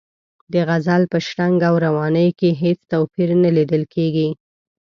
د غزل په شرنګ او روانۍ کې هېڅ توپیر نه لیدل کیږي.